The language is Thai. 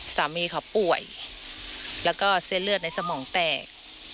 สามีเขาป่วยแล้วก็เส้นเลือดในสมองแตก